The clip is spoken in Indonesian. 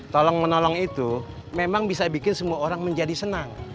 tolong menolong itu memang bisa bikin semua orang menjadi senang